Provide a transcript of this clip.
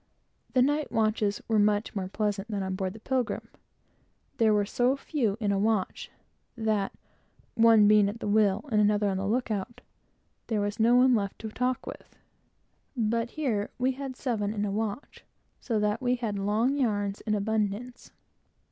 The night watches were much more pleasant than on board the Pilgrim. There, there were so few in a watch, that, one being at the wheel, and another on the look out, there was no one left to talk with; but here, we had seven in a watch, so that we had long yarns, in abundance.